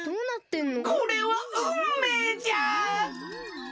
これはうんめいじゃ！